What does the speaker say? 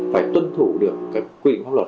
phải tuân thủ được các quy định pháp luật